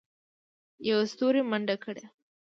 یوه ستوري منډه کړه.